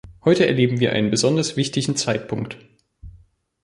Heute erleben wir einen besonders wichtigen Zeitpunkt.